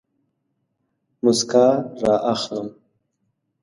موسکا رااخلم